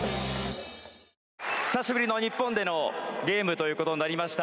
久しぶりの日本でのゲームということになりました。